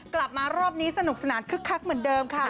กลับมารอบนี้สนุกสนานคึกคักเหมือนเดิมค่ะ